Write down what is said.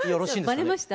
バレました？